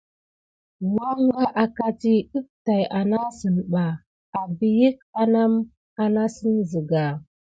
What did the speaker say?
Wangà ankadi ɗef tät anasine ɓa abyik anane anasine siga.